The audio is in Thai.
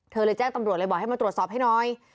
เลยแจ้งตำรวจเลยบอกให้มาตรวจสอบให้หน่อย